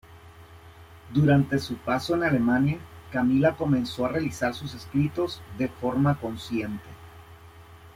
Durante su paso en Alemania Camila comenzó a realizar sus escritos de forma consciente.